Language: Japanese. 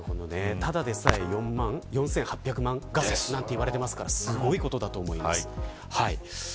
ただでさえ、４８００万画素と言われているのですごいことだと思います。